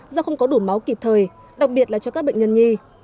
do không có đủ máu kịp thời đặc biệt là cho các bệnh nhân nhi